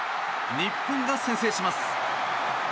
日本が先制します。